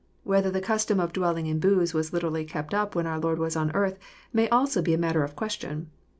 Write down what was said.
Whether the custom of dwelling in booths was literally kept up when our Lord was on earth may also be matter of question.